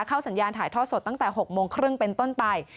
สัญญาณถ่ายทอดสดตั้งแต่๖โมงครึ่งเป็นต้นไป